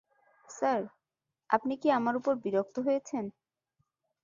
Sir, আপনি কি আমার উপর বিরক্ত হয়েছেন?